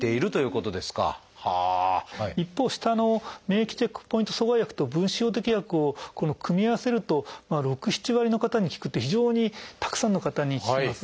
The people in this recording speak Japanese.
一方下の免疫チェックポイント阻害薬と分子標的薬を組み合わせると６７割の方に効くっていう非常にたくさんの方に効きます。